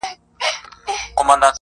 سیاه پوسي ده، مرگ خو یې زوی دی